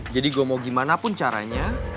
jadi gue mau gimana pun caranya